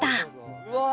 うわ！